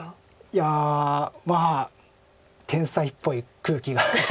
いやまあ天才っぽい空気が。